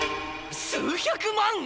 数百万！？